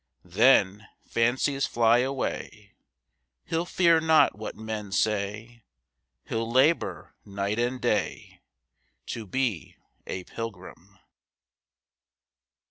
Then, fancies fly away, He'll fear not what men say; He'll labor night and day To be a pilgrim."